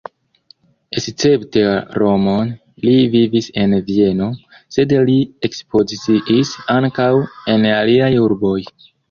Escepte Romon li vivis en Vieno, sed li ekspoziciis ankaŭ en aliaj urboj.